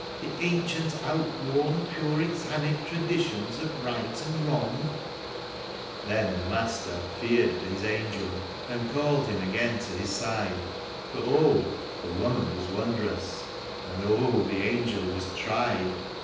The ancient, outworn, puritanic traditions of Eight and Wrong." 72 THE WOMAN AND THE ANGEL. Then the Master feared for His angel, and called him again to His side, For oh, the woman was wondrous, and oh, the angel was tried.